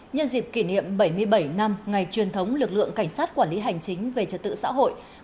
nhân dịp kỷ niệm bảy mươi bảy năm ngày truyền thống lực lượng cảnh sát quản lý hành chính về trật tự xã hội